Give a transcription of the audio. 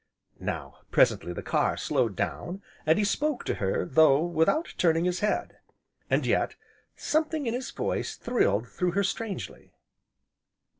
Now, presently, the car slowed down, and he spoke to her, though without turning his head. And yet, something in his voice thrilled through her strangely.